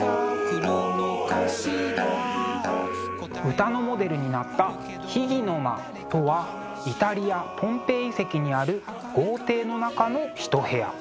歌のモデルになった秘儀の間とはイタリアポンペイ遺跡にある豪邸の中の一部屋。